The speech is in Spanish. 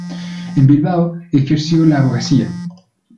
En Bilbao ejerció la abogacía.